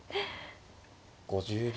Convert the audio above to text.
５０秒。